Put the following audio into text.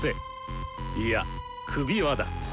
いや首輪だ。